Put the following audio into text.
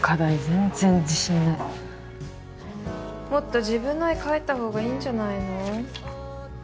全然自信ないもっと自分の絵描いた方がいいんじゃないの？